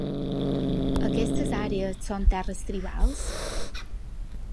Aquestes àrees són terres "tribals".